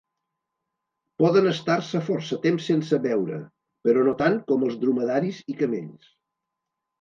Poden estar-se força temps sense beure, però no tant com els dromedaris i camells.